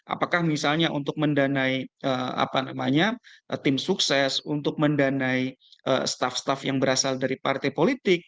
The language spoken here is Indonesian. apakah misalnya untuk mendanai tim sukses untuk mendanai staff staff yang berasal dari partai politik